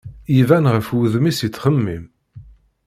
Iban ɣef wudem-is yettxemmim.